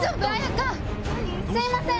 すいません！